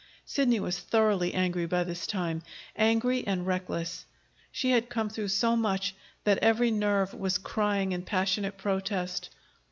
Sidney was thoroughly angry by this time, angry and reckless. She had come through so much that every nerve was crying in passionate protest.